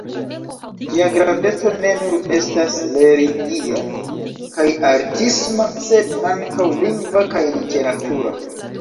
Ĝia graveco ne nur estas religia kaj artisma, sed ankaŭ lingva kaj literatura.